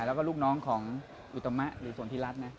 แล้วก็ลูกน้องของอุตมะหรือสนทิรัฐนะ